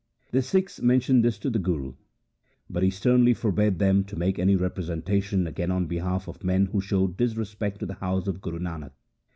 The Sikhs men tioned this to the Guru, but he sternly forbade them to make any representation again on behalf of men who showed disrespect to the house of Guru Nanak.